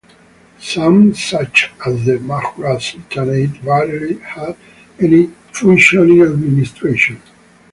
Some such as the Mahra Sultanate barely had any functioning administration.